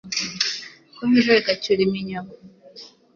uko bwije bagacyura iminyago.